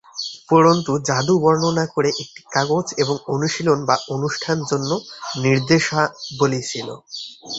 উপরন্তু জাদু বর্ণনা করে একটি কাগজ এবং অনুশীলন বা অনুষ্ঠান জন্য নির্দেশাবলী ছিল।